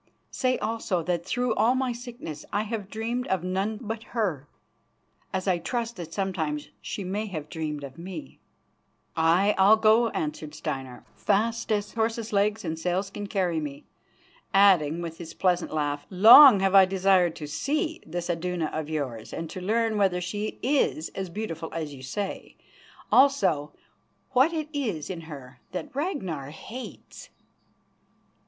Say also that through all my sickness I have dreamed of none but her, as I trust that sometimes she may have dreamed of me." "Aye, I'll go," answered Steinar, "fast as horses' legs and sails can carry me," adding with his pleasant laugh: "Long have I desired to see this Iduna of yours, and to learn whether she is as beautiful as you say; also what it is in her that Ragnar hates."